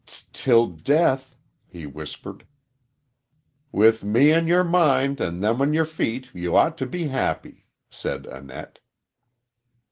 "T till d death," he whispered. "With me on your mind an' them on your feet you ought to be happy," said Annette.